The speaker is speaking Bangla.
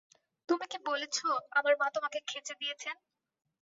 তুমি কি বলেছো আমার মা তোমাকে খেচে দিয়েছেন?